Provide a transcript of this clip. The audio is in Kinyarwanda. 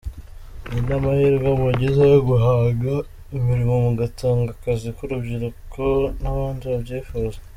Ni n’amahirwe mugize yo guhanga imirimo mugatanga akazi ku rubyiruko n’abandi babyifuza”.